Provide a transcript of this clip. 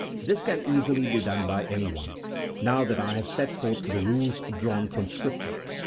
This can easily be done by anyone, now that I have set forth the rules drawn from Scripture.